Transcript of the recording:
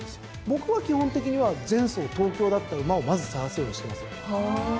僕は基本的には前走東京だった馬をまず探すようにしてますね。